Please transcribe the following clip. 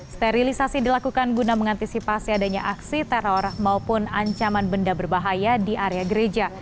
sterilisasi dilakukan guna mengantisipasi adanya aksi teror maupun ancaman benda berbahaya di area gereja